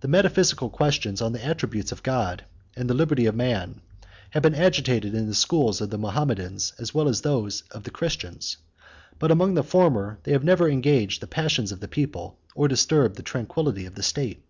The metaphysical questions on the attributes of God, and the liberty of man, have been agitated in the schools of the Mahometans, as well as in those of the Christians; but among the former they have never engaged the passions of the people, or disturbed the tranquillity of the state.